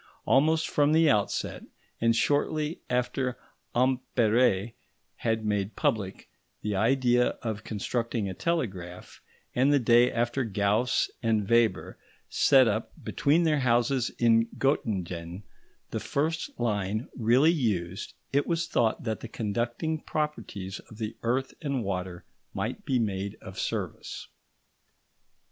Almost from the outset, and shortly after Ampère had made public the idea of constructing a telegraph, and the day after Gauss and Weber set up between their houses in Göttingen the first line really used, it was thought that the conducting properties of the earth and water might be made of service.